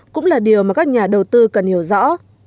cũng là điều mà các nhà đầu tư cần hiểu rõ